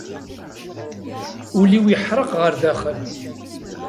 Ul-iw iḥreq ɣer daxel.